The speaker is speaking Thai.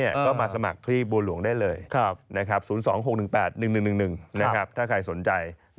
ก็มาสมัครที่บัวหลวงได้เลย๐๒๖๑๘๑๑๑๑ถ้าใครสนใจ